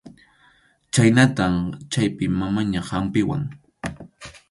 Chhaynatam chaypi mamaña hampiwan.